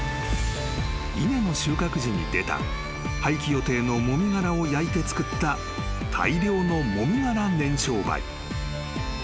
［稲の収穫時に出た廃棄予定のもみ殻を焼いて作った大量のもみ殻燃焼灰］